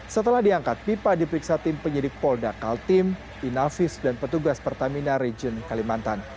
setelah diangkat pipa diperiksa tim penyidik polda kaltim inavis dan petugas pertamina region kalimantan